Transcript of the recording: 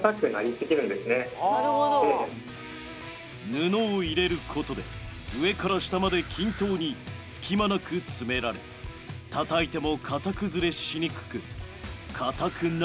布を入れることで上から下まで均等に隙間なく詰められたたいても型崩れしにくく固くなりすぎないんだとか。